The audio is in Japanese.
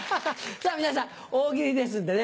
さぁ皆さん「大喜利」ですんでね。